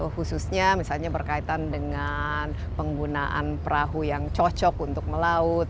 khususnya misalnya berkaitan dengan penggunaan perahu yang cocok untuk melaut